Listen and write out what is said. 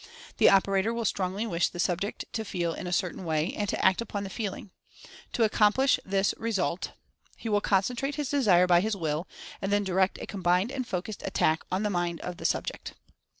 The operator will strongly wish the subject to feel in a certain way, and to act upon the feeling. To accom plish this result he will concentrate his Desire by his Rationale of Fascination 55 Will, and then direct a combined and focussed at tack on the mind of the subject.